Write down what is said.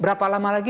berapa lama lagi